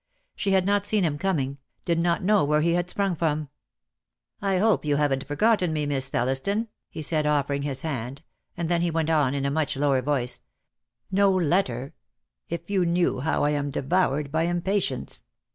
She had not seen him coming, did not know where he had sprung from, "I hope you haven't forgotten me, Miss Thellis ton," he said, offering his hand, and then he went on in a much lower voice: "No letter! If you knew how I am devoured by impatience!"